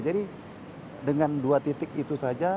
jadi dengan dua titik itu saja